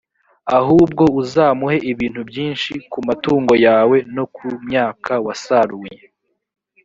ahubwo uzamuhe ibintu byinshi ku matungo yawe no ku myaka wasaruye,